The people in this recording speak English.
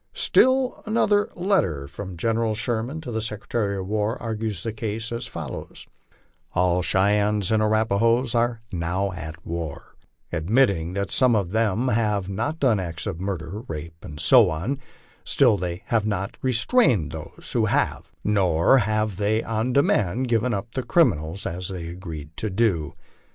Still another letter from General Sherman to the Secretary of War argues the case as follows :" All the Cheyennes and Arapahoes are now at war. Ad mitting that some of them have not done acts of murder, rape, etc., still they have not restrained those who have, nor have they on demand given up the criminals as they agreed to do.